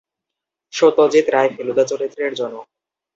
সত্যজিৎ রায় ফেলুদা চরিত্রের জনক।